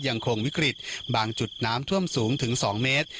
ยังคงวิกฤตบางจุดน้ำท่วมสูงถึง๒เมตร